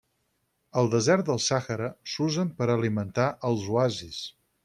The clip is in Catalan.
Al desert del Sàhara s'usen per a alimentar els oasis.